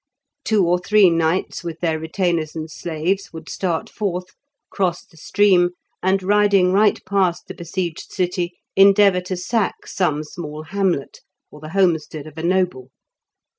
Two or three knights with their retainers and slaves would start forth, cross the stream, and riding right past the besieged city endeavour to sack some small hamlet, or the homestead of a noble.